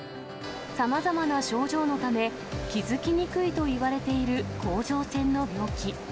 さまざまな症状のため、気付きにくいといわれている甲状腺の病気。